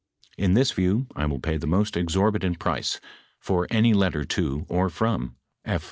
In this view, I will pay the most exorbitant price for any let ter to or from F.